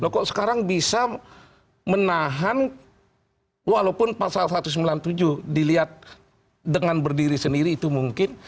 kok sekarang bisa menahan walaupun pasal satu ratus sembilan puluh tujuh dilihat dengan berdiri sendiri itu mungkin